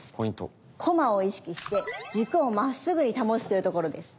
コマを意識して軸をまっすぐに保つというところです。